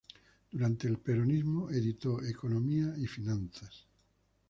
Durante el peronismo editó Economía y finanzas.